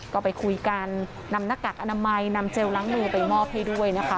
ก็ไปคุยกันนำหน้ากากอนามัยนำเจลล้างมือไปมอบให้ด้วยนะคะ